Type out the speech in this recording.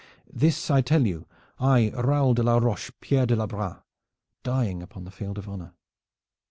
This I tell you I, Raoul de la Roche Pierre de Bras, dying upon the field of honor.